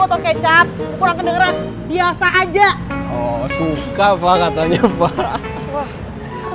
oh suka pak katanya pak